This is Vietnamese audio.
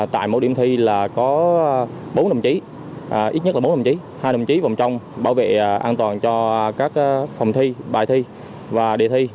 tại mỗi điểm thi là có bốn đồng chí ít nhất là bốn đồng chí hai đồng chí vòng trong bảo vệ an toàn cho các phòng thi bài thi và đề thi